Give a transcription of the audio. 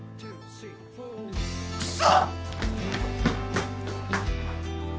クソ！